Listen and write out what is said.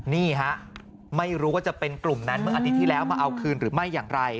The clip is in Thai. นี่ฮะไม่รู้ว่าจะเป็นกลุ่มนั้นเมื่ออาทิตย์ที่แล้วมาเอาคืนหรือไม่อย่างไร